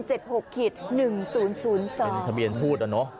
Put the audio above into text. เป็นทะเบียนพูดนะเนอะ